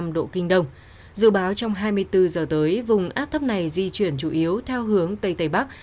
một trăm một mươi năm một trăm một mươi một năm độ kinh đông dự báo trong hai mươi bốn giờ tới vùng áp thấp này di chuyển chủ yếu theo hướng tây tây bắc